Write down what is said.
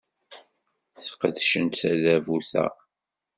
Sqedcent tadabut-a.